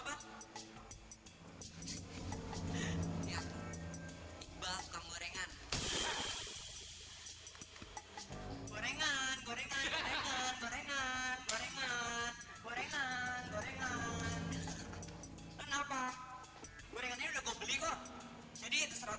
hai ya iqbal korengan korengan korengan korengan korengan korengan korengan korengan korengan korengan